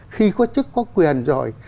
khi có chức có quyền rồi